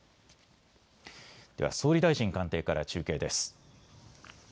では総理大臣官邸から中継です。